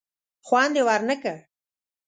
خوند یې ور نه کړ.